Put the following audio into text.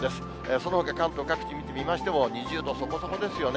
そのほか、関東各地見てみましても、２０度そこそこですよね。